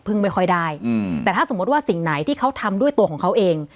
ไม่ค่อยได้อืมแต่ถ้าสมมุติว่าสิ่งไหนที่เขาทำด้วยตัวของเขาเอง